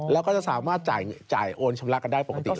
แล้วก็จะสามารถจ่ายโอนชำระกันได้ปกติ